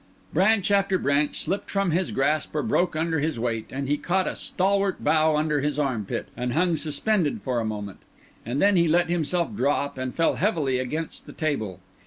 Branch after branch slipped from his grasp or broke under his weight; then he caught a stalwart bough under his armpit, and hung suspended for a second; and then he let himself drop and fell heavily against the table.